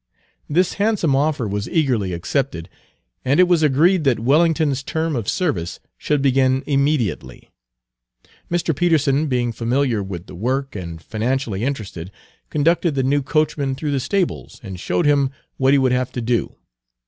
This handsome offer was eagerly accepted, and it was agreed that Wellington's term of Page 239 service should begin immediately. Mr. Peterson, being familiar with the work, and financially interested, conducted the new coachman through the stables and showed him what he would have to do.